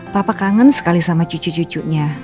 papa kangen sekali sama cucu cucunya